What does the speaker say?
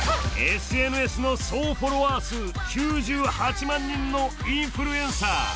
ＳＮＳの総フォロワー数９８万人のインフルエンサー。